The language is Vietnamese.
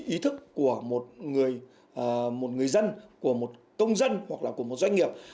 ý thức của một người dân của một công dân hoặc là của một doanh nghiệp